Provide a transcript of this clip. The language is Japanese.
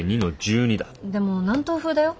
でも南東風だよ？